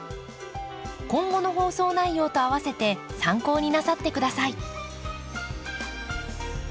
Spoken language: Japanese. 今後の放送内容とあわせて参考になさって下さい。